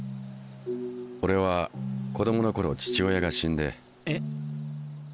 俺は子供のころ父親が死んで。